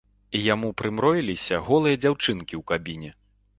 Яму прымроіліся голыя дзяўчынкі ў кабіне!